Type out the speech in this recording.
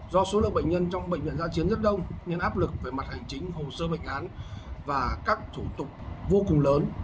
do số lượng bệnh nhân trong bệnh viện gia chiến rất đông nên áp lực về mặt hành chính hồ sơ bệnh án và các thủ tục vô cùng lớn